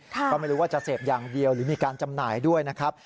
ก็ไม่รู้ว่าจะเสพอย่างเดียวหรือมีการจำหน่ายด้วยนะครับ